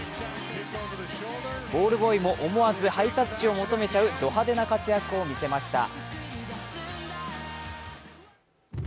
ボールボーイも思わずハイタッチを求めちゃうド派手な活躍を見せました。